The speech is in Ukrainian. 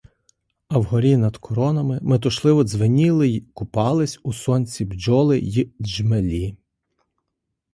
А вгорі над коронами метушливо дзвеніли й купались у сонці бджоли й джмелі.